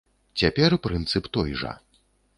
Цяпер прынцып той жа.